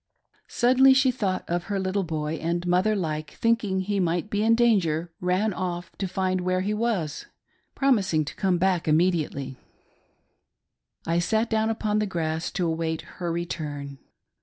Suddenly she thought of her little boy, and, mother like, thinking he might be in danger, ran off to find where he was, promising to come back immediately. I sat down upon the grass to await her return.